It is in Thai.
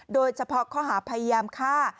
โดยเฉพาะข้อหาพยายามฆ่า